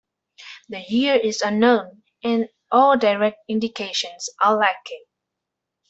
The year is unknown, and all direct indications are lacking.